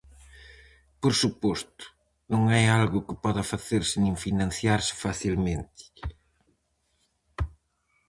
Por suposto, non é algo que poda facerse nin financiarse facilmente.